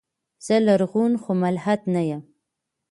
زه لرغون خو ملحد نه يم.